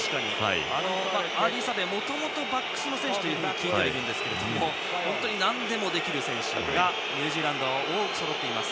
アーディー・サベアはもともとバックスの選手だと聞いているんですが本当になんでもできる選手がニュージーランドには多くそろっています。